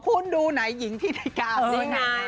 คุณดูไหนหญิงถือเลิกงามนี้ไง